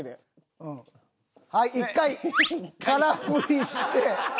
はい１回空振りして。